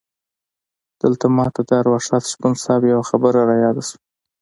دلته ماته د ارواښاد شپون صیب یوه خبره رایاده شوه.